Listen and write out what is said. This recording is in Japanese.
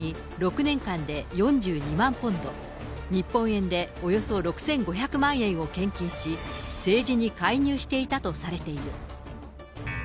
イギリスの野党議員に６年間で４２万ポンド、日本円でおよそ６５００万円を献金し、政治に介入していたとされている。